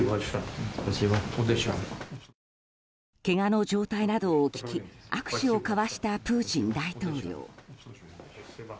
けがの状態などを聞き握手を交わしたプーチン大統領。